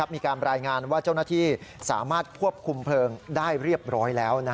มีการรายงานว่าเจ้าหน้าที่สามารถควบคุมเพลิงได้เรียบร้อยแล้ว